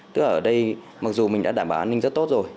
tức ở đây mặc dù mình đã đảm bảo an ninh rất tốt rồi